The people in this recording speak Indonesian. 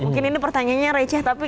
mungkin ini pertanyaannya receh tapi